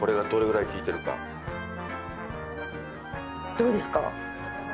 どうですか？